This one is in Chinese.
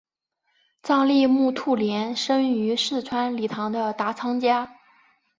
藏历木兔年生于四川理塘的达仓家。